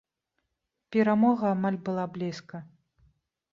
Перамога амаль была блізка.